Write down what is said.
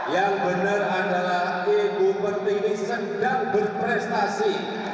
yang benar adalah ibu pertiwi sedang berprestasi